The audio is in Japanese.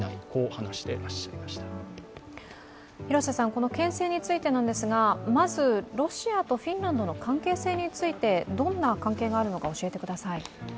このけん制についてなんですが、まずロシアとフィンランドの関係性についてどんな関係があるのか教えてください。